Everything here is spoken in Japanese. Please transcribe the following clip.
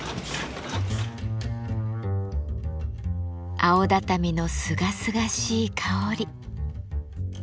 青畳のすがすがしい香り。